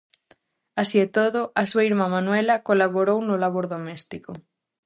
Así e todo, a súa irmá Manuela colaborou no labor doméstico.